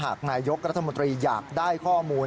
หากนายกรัฐมนตรีอยากได้ข้อมูล